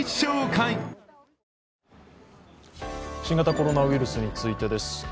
新型コロナウイルスについてです。